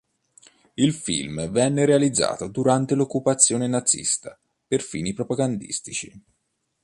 Il film venne realizzato durante l'occupazione nazista per fini propagandistici.